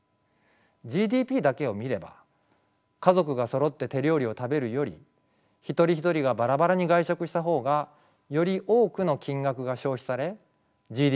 ＧＤＰだけを見れば家族がそろって手料理を食べるより一人一人がバラバラに外食した方がより多くの金額が消費されＧＤＰは増えます。